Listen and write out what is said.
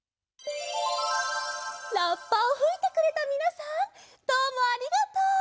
ラッパをふいてくれたみなさんどうもありがとう！